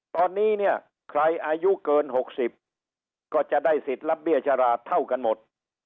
ตอนนี้เนี่ยใครอายุเกิน๖๐ก็จะได้สิทธิ์รับเบี้ยชราเท่ากันหมด